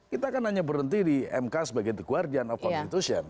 kita kan hanya berhenti di mk sebagai the guardian of constitution